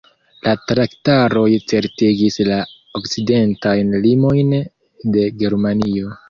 La traktatoj certigis la okcidentajn limojn de Germanio.